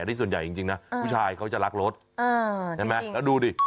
นี่ส่วนใหญ่จริงนะผู้ชายเขาจะรักรถใช่ไหมแล้วดูดิ